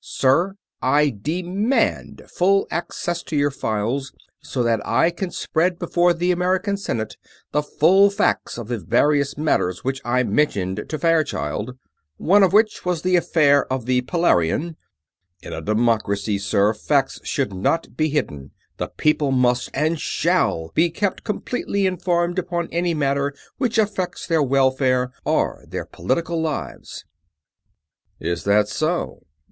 Sir, I demand full access to your files, so that I can spread before the North American Senate the full facts of the various matters which I mentioned to Fairchild one of which was the affair of the Pelarion. In a democracy, sir, facts should not be hidden; the people must and shall be kept completely informed upon any matter which affects their welfare or their political lives!" "Is that so?